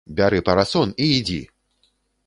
Бяры парасон і ідзі!